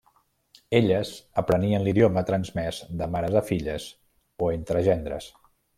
Elles aprenien l'idioma transmès de mares a filles o entre gendres.